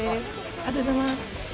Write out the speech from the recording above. ありがとうございます。